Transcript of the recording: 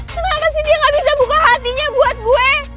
kenapa sih dia gak bisa buka hatinya buat gue